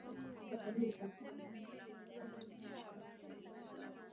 Obama aliongoza kama raisi tangu mwezi wa kwanza mwaka elfu mbili na tisa